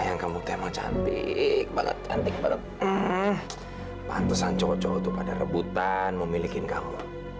aku jadi suami kamu